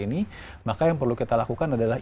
ini maka yang perlu kita lakukan adalah